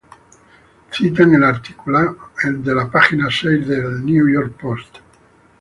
Citan el artículo de la Página Seis de "New York Post".